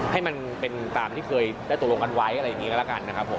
ให้มันเป็นตามที่เคยได้ตกลงกันไว้อะไรอย่างนี้ก็แล้วกันนะครับผม